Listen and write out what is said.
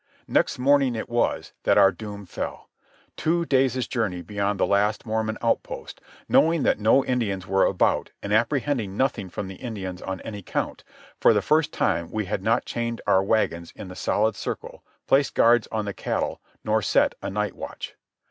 Next morning it was that our doom fell. Two days' journey beyond the last Mormon outpost, knowing that no Indians were about and apprehending nothing from the Indians on any count, for the first time we had not chained our wagons in the solid circle, placed guards on the cattle, nor set a night watch.